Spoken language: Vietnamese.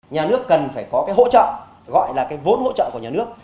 nhà nước cần phải có cái hỗ trợ gọi là cái vốn hỗ trợ của nhà nước